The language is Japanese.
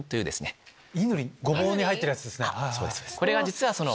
ゴボウに入ってるやつですね。